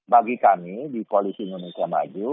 bagi kami di koalisi indonesia maju